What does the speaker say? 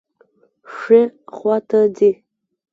ښي خواته ځئ